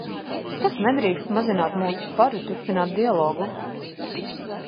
Tas nedrīkst mazināt mūsu sparu turpināt dialogu.